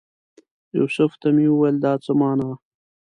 یوسف ته مې وویل دا څه مانا؟